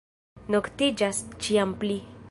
Noktiĝas ĉiam pli.